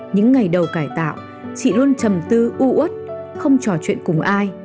những ngày đầu cải tạo chị luôn chầm tư u ướt không trò chuyện cùng ai